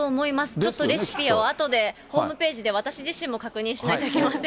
ちょっとレシピをあとで、ホームページで私自身も確認しなきゃいけません。